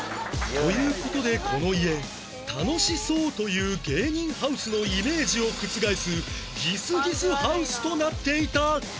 という事でこの家「楽しそう」という芸人ハウスのイメージを覆すギスギスハウスとなっていた